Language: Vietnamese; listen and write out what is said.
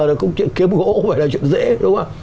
kiếm gỗ cũng phải là chuyện dễ đúng không